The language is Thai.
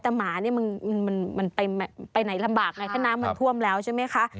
แต่หมาเนี่ยมันไปไหนลำบากไงถ้าน้ำมันท่วมแล้วใช่ไหมคะ